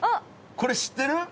これ知ってる？